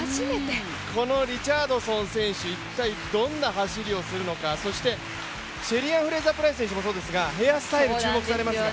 このリチャードソン選手、一体どんな走りをするのか、シェリーアン・フレイザープライス選手もそうですがヘアスタイル、注目されます。